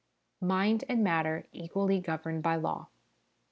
* Mind ' and ' Matter ' equally governed by Law.